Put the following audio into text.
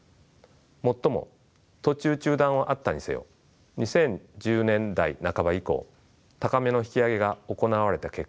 最も途中中断はあったにせよ２０１０年代半ば以降高めの引き上げが行われた結果